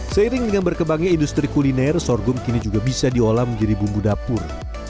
seiring dengan berkembangnya industri kuliner sorghum kini juga bisa diolah menjadi bumbu dapur